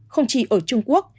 không chỉ ở trung quốc